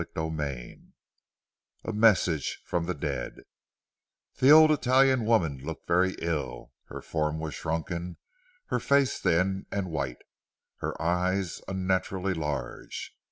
CHAPTER XXII A MESSAGE FROM THE DEAD The old Italian woman looked very ill. Her form was shrunken, her face thin and white, her eyes unnaturally large.